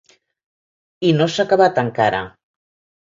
I no s’ha acabat, encara.